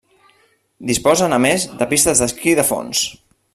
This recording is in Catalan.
Disposen, a més, de pistes d'esquí de fons.